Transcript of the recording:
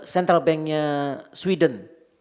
central bank nya sweden